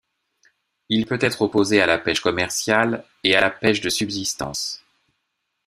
Il peut être opposé à la pêche commerciale et à la pêche de subsistance.